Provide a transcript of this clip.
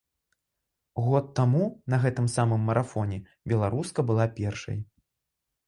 Год таму, на гэтым самым марафоне, беларуска была першай.